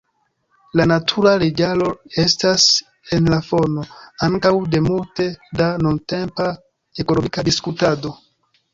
La natura leĝaro estas en la fono ankaŭ de multe da nuntempa ekonomika diskutado.